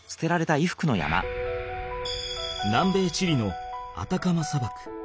南米・チリのアタカマ砂漠。